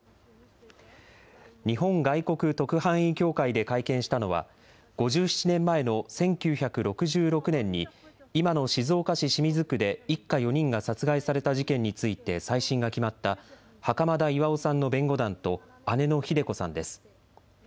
日本外国特派員協会で会見したのは、５７年前の１９６６年に、今の静岡市清水区で一家４人が殺害された事件について再審が決まった、袴田巌さんの弁護団と姉のひで子さんです。